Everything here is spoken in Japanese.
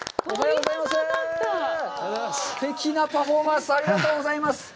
おはようございます。